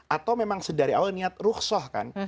atau memang sedari awal niat ruksoh kan